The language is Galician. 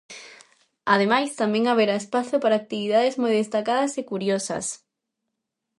Ademais, tamén haberá espazo para actividades moi destacadas e curiosas.